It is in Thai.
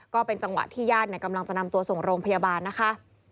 ก็เป็นจังหวะที่ญาติกำลังจะนำตัวส่งโรงพยาบาลนะคะ